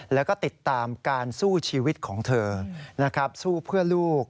แล้วก็ติดตามการสู้ชีวิตของเธอนะครับสู้เพื่อลูก